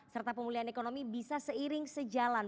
serta pemulihan ekonomi bisa seiring sejalan